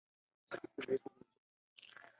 这是生物趋同演化的其中一个例子。